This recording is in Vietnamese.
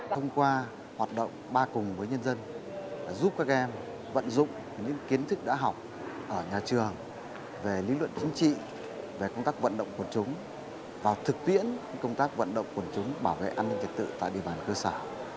thông qua hoạt động ba cùng với nhân dân giúp các em vận dụng những kiến thức đã học ở nhà trường về lý luận chính trị về công tác vận động của chúng vào thực tiễn công tác vận động quần chúng bảo vệ an ninh trật tự tại địa bàn cơ sở